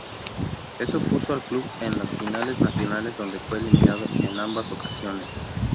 Eso puso al club en las finales nacionales, donde fue eliminado en ambas ocasiones.